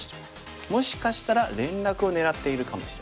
もしかしたら連絡を狙ってるかもしれない。